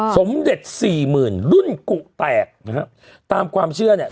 สมเด็จสี่หมื่นรุ่นกุแตกนะฮะตามความเชื่อเนี่ย